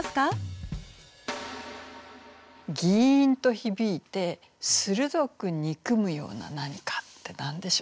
ぎいんとひびいて鋭く憎むような何かって何でしょうね？